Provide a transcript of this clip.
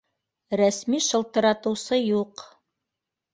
— Рәсми шылтыратыусы юҡ